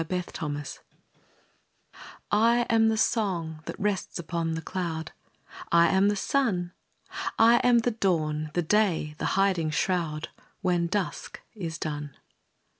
I AM THE WORLD I am the song, that rests upon the cloud; I am the sun: I am the dawn, the day, the hiding shroud, When dusk is done.